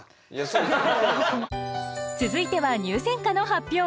続いては入選歌の発表。